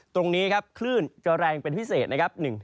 ตรงนี้ครับคลื่นจะแรงเป็นพิเศษนะครับ